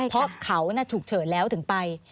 เพราะเขาฉุกเฉินแล้วถึงไป